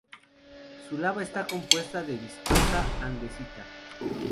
Su lava está compuesta de viscosa andesita.